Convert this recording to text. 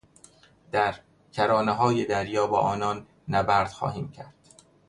در کرانههای دریا با آنان نبرد خواهیم کرد.